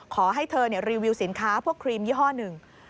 ขอให้เธอรีวิวสินค้าพวกครีมยี่ห้อหนึ่ง